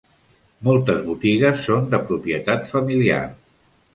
Moltes botigues són de propietat familiar.